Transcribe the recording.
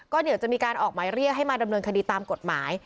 ก็เดี๋ยวจะมีการออกหมายเรียกให้มาดำเนินคดีตามกฎหมาย